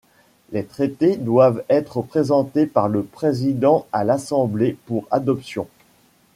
Les traités doivent être présentés par le Président à l'Assemblée pour adoption.